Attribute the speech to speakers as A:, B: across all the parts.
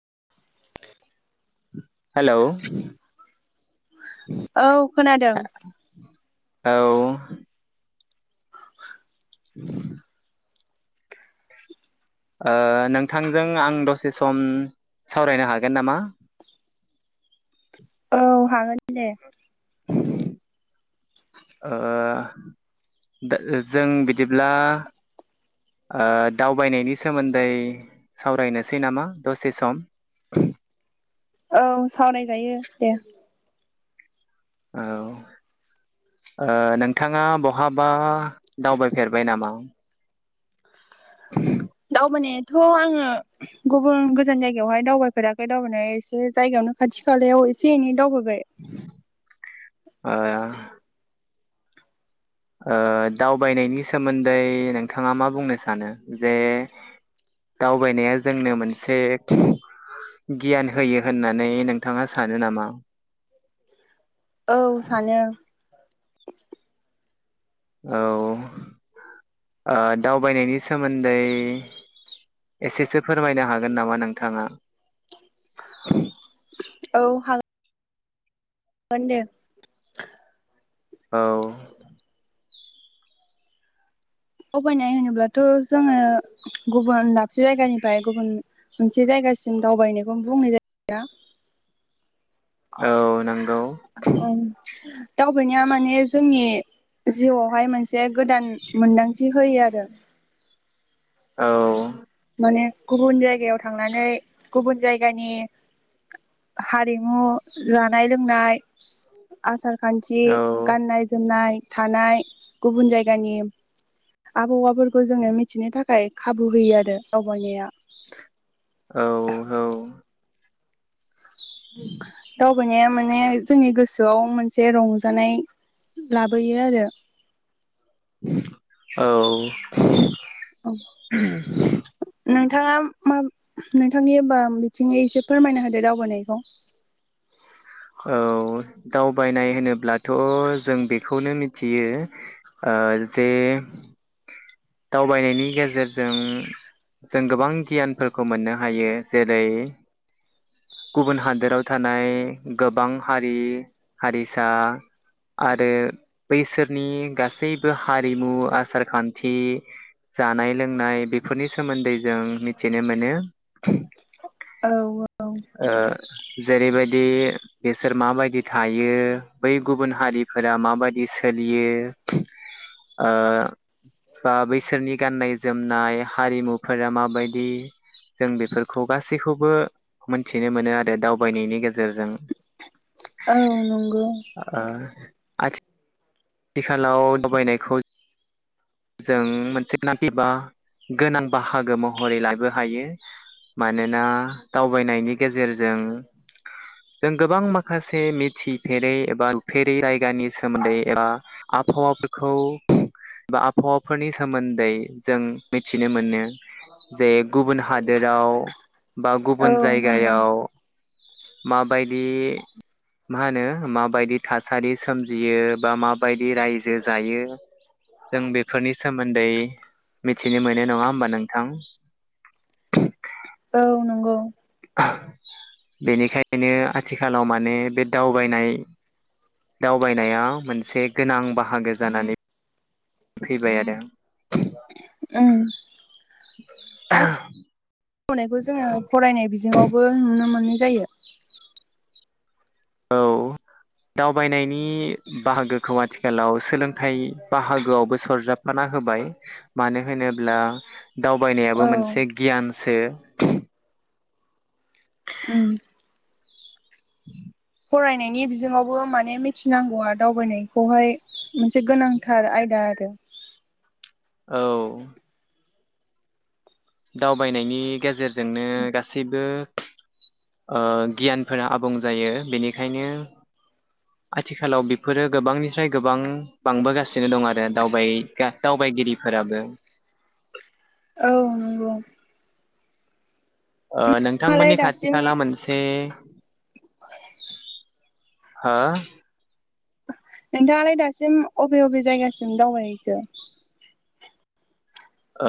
A: [inaudible]
B: औ खोनादों।
A: औ। [inaudible] ओ नोंथांजों आं दसे सम सावरायनो हागोन नामा?
B: औ हागोन दे।
A: ओ दा जों बिदिब्ला ओ दावबायनायनि सोमोन्दै सावरायनोसै नामा दसे सम [unintelligible]
B: औ सावराय जायो दे।
A: औ ओ नोंथाङा बहाबा दावबायफेरबाय नामा? [unintelligible]
B: दावबायानायाथ' आङो गुबुन गोजान जायगायावहाय दावबायफेराखै दावबायनाया एसे जायगायावनो खाथि खालायाव एसे एनै दावबाय बाय।
A: ओ ओ दावबायनायनि सोमोन्दै नोंथाङा मा बुंनो सानो? जे दावबायनाया जोंनो मोनसे गियान होयो होननानै नोंथाङा सानो नामा?
B: औ सानो।
A: औ ओ दावबायनायनि सोमोन्दै एसेसो फोरमायनो हागोन नामा नोंथाङा? [inaudible]
B: औ हाग गोन दे।
A: औ।
B: अबायनाय होनोब्लाथ' जोङो गुबुन दाबसे जायगानिफ्राय गुबुन मोनसे जायगासिम दावबायनायखौनो बुंनाय जायोना।
A: औ नंगौ।
B: ओम दावबायनाया माने जोंनि जिउआवहाय मोनसे से गोदान मोन्दांथि। होयो आरो।
A: औ।
B: माने गुबुन जाय गायाव थांनानै गुबुन जायगानि हारिमु जानाय-लोंनाय, आसार खान्थि गाननाय-जोमनाय थानाय। गुबुन जायगानि आबआवाफोर खौ जोङो मिथिनो थाख खाय खाबु होयो आरो। दावबायनाया।
A: औ
B: दावबायनाया माने जोंनि गोसोआव मोनसे रंजानाय लाबोयो आरो।
A: औ।
B: [unintelligible] थाङा माब नोंथांनि बाब बिथिङै एसे फोरमायना होदो दावबायनायखौ।
A: औ दावबायनाय होनोब्लाथ जों बेखौनो मिथियो ओ जे दावबायनायनि गेजेरजों जों गोबां गियानफोरखौ मोननो हायो जेरै गुबुन हादोराव थानाय। गोबां हारि हारिसा आरो बैसोरनि गासैबो हारिमु आसार खान्थि जानाय लोंनाय बेफोरनि सोमोन्दै जों मिथिनो मोनो ।
B: औ औ।
A: जेरैबायदि। बेसोर माबायदि थायो बै गुबुन हारिफोरा माबायदि सोलियो ओ बा बैसोरनि गाननाय जोमनाय हारिमुफोरा माबायदि जों बेफोरखौ गासैखौबो मोनथिनो मोनो आरो दावबायनायनि गेजेरजों।
B: औ नंगौ।
A: आथि थिखालाव दावबायनायखौ जों मोनसे गोनांथि एबा गोनां बाहागो महरै लाबो हायो मानोना दावबायनायनि गेजेरजों जों गोबां माखासे मिथिफेरै बा नुफेरि जायगानि सोमोन्दै एबा आबफावाफोरखौ बा आबफावाफोरनि सोमोन्दै जों मिथिनो मोनो जे गुबुन हादोराव। बा
B: औ
A: गुबुन
B: नंगौ
A: जायगायाव। माबायदि माहोनो माबायदि थासारि सोमजियो बा मा बायदि रायजो जायो जों बेफोरनि सोमोन्दै मिथिनो मोनो नङा होनबा नोंथां?
B: औ नंगौ।
A: बेनिखायनो आथिखालाव माने बे दावबायनाय दावबायनाया मोनसे गोनां बाहागो जानानै फैबाय आरो ।
B: ओं। [unintelligible] जोङो फरायनाय बिजोङावबो नुनो मो नुनाय जायो।
A: औ दावबायनायनि बाहागोखौ आथिखालाव सोलोंथाइ बाहागोआवबो सरजाबफाना होबाय मानो होनोब्ला।
B: औ
A: दावबायनायाबो मोनसे गियान। सो।
B: उम। फरायनायनि बिजोंआवबो माने मिथिनांगौआ दावबायनायखौहाय मोनसे गोनांथार आयदा आरो।
A: औ। दावबायनायनि गेजेरजोंनो गासैबो ओ गियानफोरा आबुं जायो बेनिखायनो। आथिखालाव बेफोरो गोबां निफ्राय गोबां बांबोगासिनो दं आरो दावबाय गा दावबायगिरिफोराबो।
B: औ नंगौ।
A: ओ
B: नोंथाङालाय
A: नोंथांमोननि खाथि
B: दासिम
A: खाला मोनसे। हो।
B: नोंथाङालाय दासिम अबे अबे जायगासिम दावबायहैखो।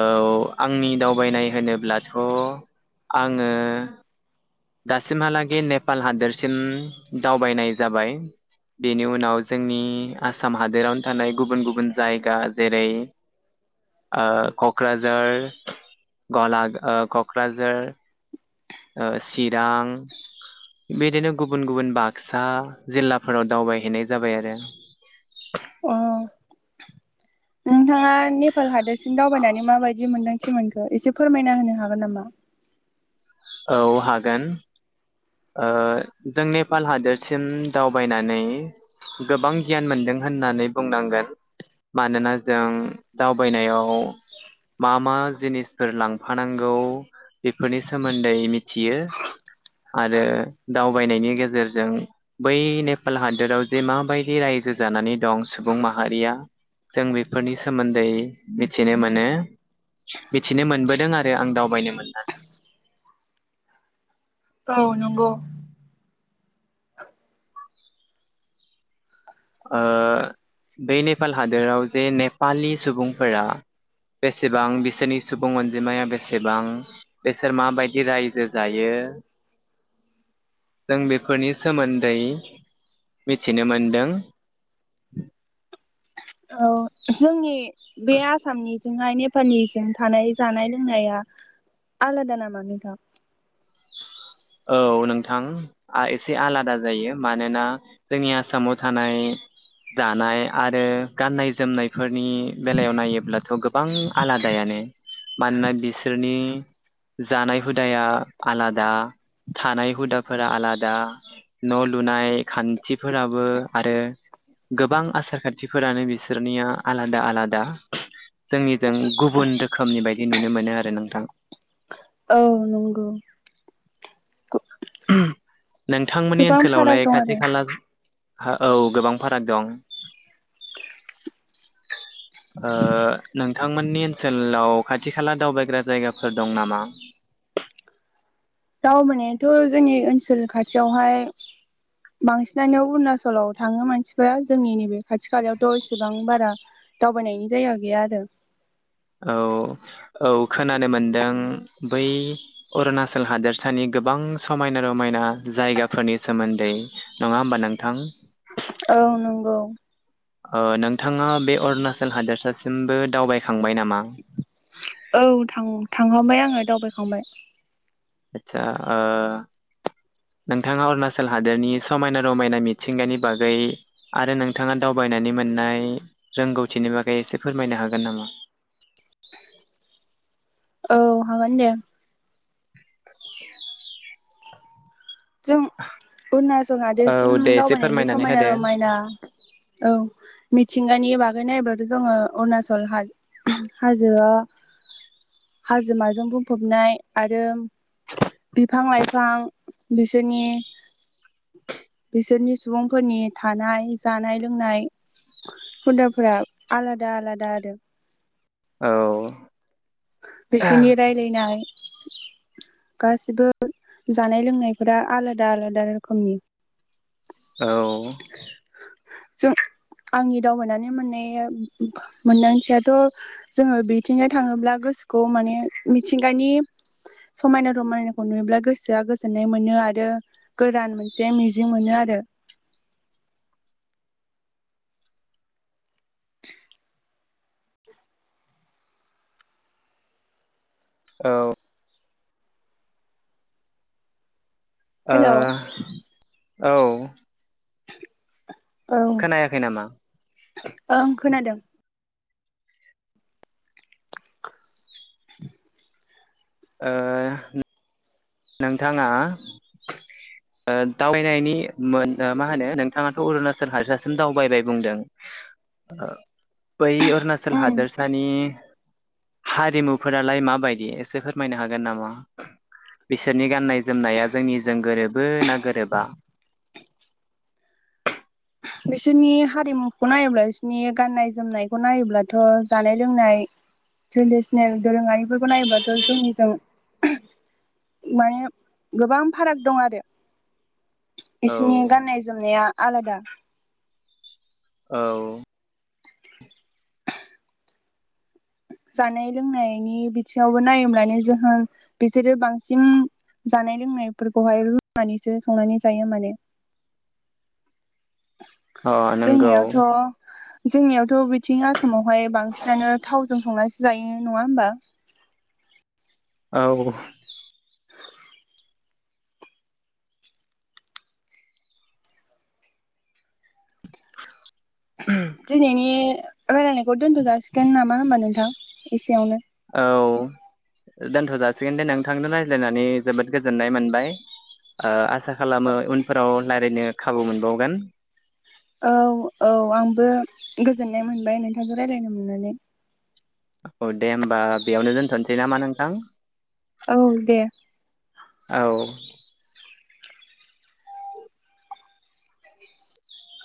A: औ आंनि दावबायनाय होनोब्लाथ आङो। दासिमहालागि नेपाल हादरसिम दावबायनाय जाबाय बिनि उनाव जोंनि आसाम हादरावनो थानाय गुबुन गुबुन जायगा जेरै ओ कक्राझार गला ओ कक्राझार ओ चिरां बिदिनो गुबुन गुबुन बागसा जिलाफोराव दावबायहैनाय जाबाय आरो।
B: अ उम। थाङा नेपाल हादोरसिम दावबायनानै। माबायदि मोन्दांथि मोनखो एसे फोरमायना होनो हागोन नामा?
A: औ हागोन। जों नेपाल हादोरसिम दावबायनानै गोबां गियान मोनदों होननानै बुंनांगोन मानोना जों दावबायनायाव मा मा जिनिसफोर लांफानांगौ बेफोरनि सोमोन्दै मिथियो आरो दावबायनायनि गेजेरजों बै नेपाल हादोराव जे माबायदि रायजो जानानै दं सुबुं माहारिया जों बेफोरनि सोमोन्दै मिथिनो मोनो मिथिनो मोनबोदों आरो आं दावबायनो मोनना
B: औ नंगौ।
A: बे नेपाल हादोराव जे नेपालि सुबुंफोरा बेसेबां बिसोरनि सुबुं अनजिमाया बेसेबां बिसोर माबायदि रायजो जायो जों बेफोरनि सोमोन्दै मिथिनो मोनदों।
B: औ जोंनि बे आसामनि जोंहा नेपालनिजों थानाय जानाय लोंनाया आलादा नामा नोंथां?
A: औ नोंथां एसे आलादा जायो मानोना जोंनि आसामाव थानाय जानाय आरो गाननाय जोमनायफोरनि बेलायाव नायोब्लाथ' गोबां आलादायानो मानोना बिसोरनि जानाय हुदाया आलादा। थानाय हुदाफोरा आलादा न' लुनाय खान्थिफोराबो आरो गोबां आसार खान्थिफोरानो बिसोरनिया आलादा आलादा जोंनिजों गुबुन रोखोमनि बायदि नुनो मोनो आरो नोंथां।
B: औ नंगौ।
A: ओम। नोंथांमोननि
B: गोबां फाराग
A: ओनसोलावलाय
B: दं
A: खाथि
B: आरो
A: खाला औ गोबां फाराग दं नोंथांमोननि ओनसोलाव खाथि खाला दावबायग्रा जायगाफोर दं नामा?
B: दावबायनायाथ' जोंनि ओनसोल खाथियावहाय बांसिनानो अरुणाचलाव थाङो मानसिफोरा जोंनि नैबे खाथि खालायावथ' इसेबां बारा दावबायनायनि जायगा गैया आरो।
A: औ औ खोनानो मोनदों बै अरुणाचल हादोरसानि गोबां समायना रमायना जायगाफोरनि सोमोन्दै नङा होमबा नोंथां?
B: औ नंगौ।
A: नोंथाङा बे अरुणाचल हादोरसासिमबो दावबाय
B: औ थांखांबाय आङो दावबायखांबाय। [inaudible]
A: आथसा नोंथाङा अरुणाचल हादोरनि समायना रमायना मिथिंगानि बागै आरो नोंथाङा दावबायनानै मोननाय रोंगौथिनि बागै एसे फोरमायनो हागोन नाम?
B: औ हागोन दे।
A: [inaudible]
B: जों अरुनाचल हादोरसिम
A: औ दे एसे
B: दावबायनायनि
A: फोरमायनानै
B: समायना
A: होदो
B: रमायना औ। मिथिंगानि बागै नायोब्लाथ' जोङो अरुणचल हाजोआ हाजोमाजों बुंफबनाय आरो। बिफां -लाइफां बिसोरनि बिसोरनि सुबुंफोरनि थानाय जानाय लोंनाय हुदाफोरा आलादा आलादा आरो।
A: औ।
B: बिसिनि रायलायनाय गासिबो जानाय लोंनायफोरा आलादा आलादा रोखोमनि
A: औ।
B: जों आंनि दावबायनानै मोननाया मोनदांथियाथ' जोङो बिथिंजाय थाङोब्ला गोसो खौ माने मिथिंगानि समायना रमायनाखौ नुयोब्ला गोसोआ गोजोननाय मोनो आरो गोदान मोनसे मिजिं मोनो आरो।
A: औ।
B: हेलौ
A: ओ। औ।
B: औ
A: खोनायाखै नामा?
B: ओं खोनादों। [inaudible]
A: ओ नोंथाङा ओ दावबायनायनि मोन मा होनो नोंथाङाथ' अरुणाचल हादसासिम दावबायबाय बुंदों ओ बै अरुणाचल
B: उम
A: हादोरसानि हारिमुफोरालाय माबायदि एसे फोरमायनो हागोन नामा? बिसोरनि गाननाय जोमनाया जोंनिजों गोरोबो ना गोरोबा?
B: बिसोरनि हारिमुखौ नायोब्ला बिसोरनि गाननाय जोमनायखौ नायोब्लाथ जानाय लोंनाय ट्रेडिसनेल दोरोङारिफोरखौ नायोब्लाथ जोंनिजों माने गोबां फाराग दं आरो।
A: औ
B: इसिनि गाननाय जोमनाया आलादा
A: औ।
B: जानाय लोंनायनि बिथिङावबो नायोब्लानो जोंहा बिसोरो बांसिन जानाय लोंनायफोरखौहाय रुनानैसो संनानै जायो माने।
A: अ नंगौ
B: जोंनियावथ' जोंनियावथ' बिथिं आसामाव हाय बांसिनानो थावजों संनासो जायो नङा होमबा?
A: औ।
B: दिनैनि रायलायनायखौ दोनथ' जाासिगोन नामा होनबा नोंथां एसेयावनो?
A: औ दोनथ' जाासिगोन दे नोंथांनो रायज्लायनानै जोबोद गोजोननाय मोनबाय । ओ आसा खालामो उनफोराव रायलायनो खाबु मोनबावगोन।
B: औ औ आंबो गोजोननाय मोनबाय नोंथांजों रायलायनो मोननानै।
A: औ दे होमबा बेयावनो दोनथनोसै नामा नोंथां?
B: औ दे।
A: औ।